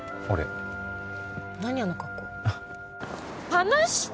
離して。